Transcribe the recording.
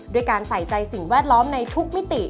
ด้วยการใส่ใจสิ่งแวดล้อมในทุกมิติ